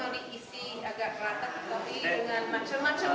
bisa diisi agak rata tapi dengan macam macam warna jangan satu warna